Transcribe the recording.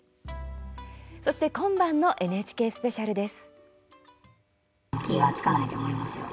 そして今晩のＮＨＫスペシャルです。